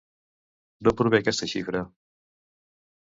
D'on prové aquesta xifra?